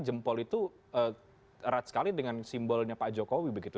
jempol itu erat sekali dengan simbolnya pak jokowi begitu